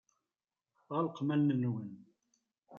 Ɣelqem allen-nwen.